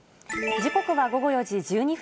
時刻は午後４時１２分。